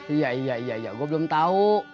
iya iya iya gue belum tahu